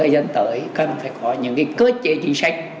các bạn phải có những cái cơ chế chính sách